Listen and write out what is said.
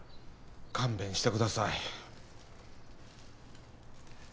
勘弁してください